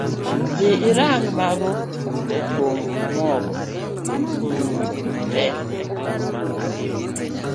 Dhi reg Mogo epong, Mogo orumo tee